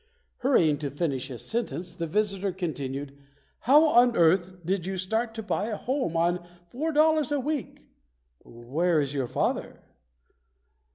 Hurrying to finish his sentence, the visitor con tinued, "How on earth did you start to buy a home on four dollars a week? Where is your father?"